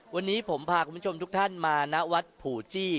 วันนี้ผมพาคุณผู้ชมทุกท่านมาณวัดผูจี้